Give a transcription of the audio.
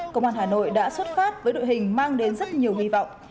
công an hà nội đã xuất phát với đội hình mang đến rất nhiều hy vọng